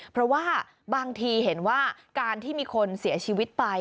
เพราะว่าบางทีเห็นว่าการที่มีคนเสียชีวิตไป